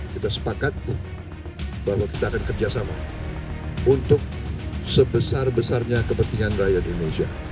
kita sepakat bahwa kita akan kerjasama untuk sebesar besarnya kepentingan rakyat indonesia